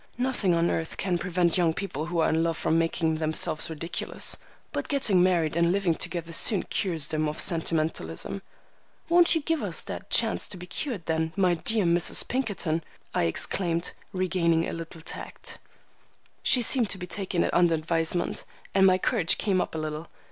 Nothing on earth can prevent young people who are in love from making themselves ridiculous. But getting married and living together soon cures them of sentimentalism." "Won't you give us that chance to be cured then, my dear Mrs. Pinkerton?" I exclaimed, regaining a little tact. She seemed to be taking it under advisement, and my courage came up a little.